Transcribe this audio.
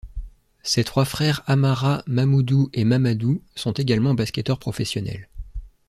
Ses trois frères Amara, Mamoudou et Mamadou sont également basketteurs professionnels.